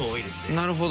なるほど。